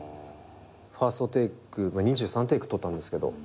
ファーストテイク２３テイク撮ったんですけど。